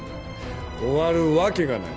終わるわけがない。